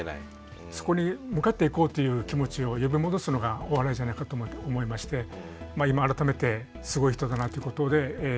そこに向かっていこうという気持ちを呼び戻すのがお笑いじゃないかと思いまして今改めてすごい人だなということで認識しております。